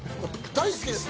大好きですか。